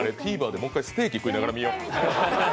ＴＶｅｒでもう一回、ステーキ食べながら見よう。